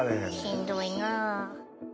しんどいな。